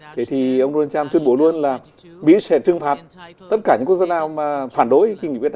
thế thì ông donald trump tuyên bố luôn là mỹ sẽ trừng phạt tất cả những quốc gia nào mà phản đối